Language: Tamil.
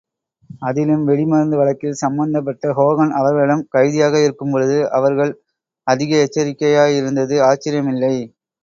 அதிலும் வெடிமருந்து வழக்கில் சம்பந்தப்பட்ட ஹோகன் அவர்களிடம் கைதியாக இருக்கும் பொழுது அவர்கள் அதிக எச்சரிக்கையாயிருந்தது ஆச்சரியமில்லை.